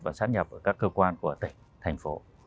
và sát nhập ở các cơ quan của tỉnh thành phố